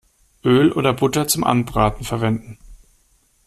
Öl oder Butter zum Anbraten verwenden.